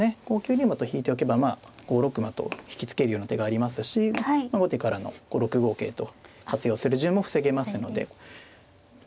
こう９二馬と引いておけばまあ５六馬と引き付けるような手がありますし後手からの６五桂と活用する順も防げますので。